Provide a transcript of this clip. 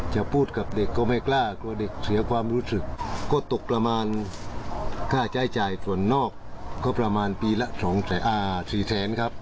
จะพูดกับเด็กก็ไม่กล้ากลัวเด็กเสียความรู้สึกก็ตกประมาณค่าใช้จ่ายส่วนนอกก็ประมาณปีละ๔แสนครับ